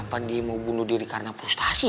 apa dia mau bunuh diri karena frustasi